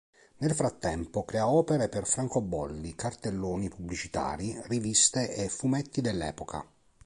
Nel frattempo crea opere per francobolli, cartelloni pubblicitari, riviste e fumetti dell'epoca.